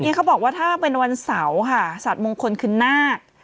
เนี่ยเค้าบอกว่าถ้าเป็นวันเสาร์ค่ะสัตว์มงคลคืนหน้า